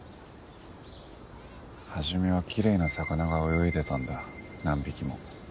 初めはきれいな魚が泳いでたんだ何匹も。